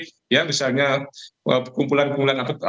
jadi ya misalnya kumpulan kumpulan bukti